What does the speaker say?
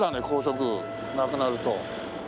高速なくなると。